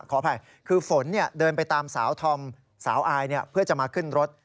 ขออภัยคือฝนเดินไปตามสาวธอมสาวอายเพื่อจะมาขึ้นรถ